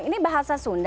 ini bahasa sunda